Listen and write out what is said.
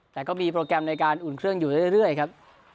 แต่ก็มีโปรแกรมในการอุ่นเครื่องอยู่เรื่อยครับ